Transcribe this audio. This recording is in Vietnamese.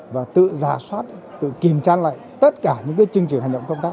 và tự giả soát tự kiểm tra lại tất cả những chương trình hành động công tác